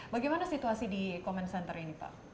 bagaimana situasi di comment center ini pak